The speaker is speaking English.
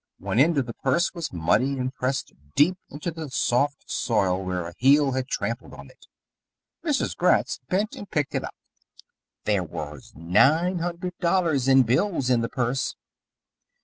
One end of the purse was muddy and pressed deep into the soft soil where a heel had tramped on it. Mrs. Gratz bent and picked it up. There was nine hundred dollars in bills in the purse.